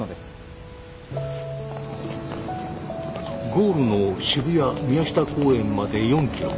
ゴールの渋谷・宮下公園まで４キロ。